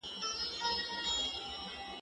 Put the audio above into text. زه درسونه اورېدلي دي؟!